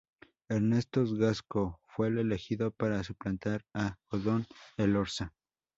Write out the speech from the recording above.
Ernesto Gasco fue el elegido para suplantar a Odón Elorza.